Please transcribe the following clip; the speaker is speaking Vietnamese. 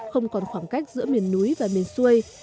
không còn khoảng cách giữa miền núi và miền xuôi